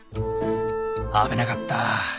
危なかった。